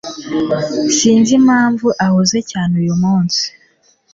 Sinzi impamvu ahuze cyane uyumunsi.